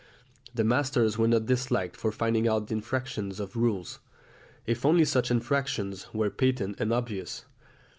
The masters were not disliked for finding out the infractions of rules, if only such infractions were patent and obvious.